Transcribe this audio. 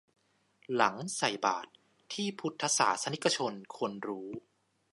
หลังใส่บาตร ที่พุทธศาสนิกชนควรรู้